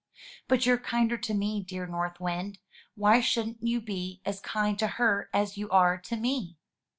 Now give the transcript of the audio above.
"But you're kinder to me, dear North Wind. Why shouldn't you be as kind to her as you are to me?"